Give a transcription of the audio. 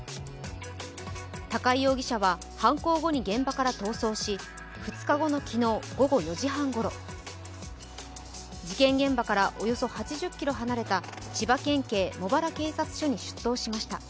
高井容疑者は犯行後に現場から逃走し２日後の昨日午後４時半ごろ、事件現場からおよそ８０ｋｍ離れた千葉県警茂原署に出頭しました。